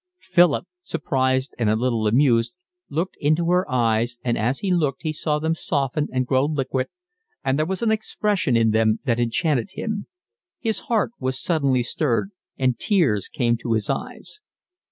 Philip, surprised and a little amused, looked into her eyes, and as he looked he saw them soften and grow liquid, and there was an expression in them that enchanted him. His heart was suddenly stirred, and tears came to his eyes.